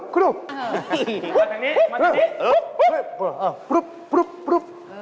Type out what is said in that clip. ใคร